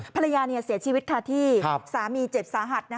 ภรรยาเสียชีวิตค่ะที่สามีเจ็บสาหัส